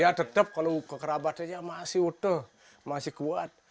ya tetap kalau kerabatnya masih utuh masih kuat